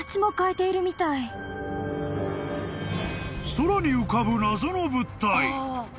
［空に浮かぶ謎の物体］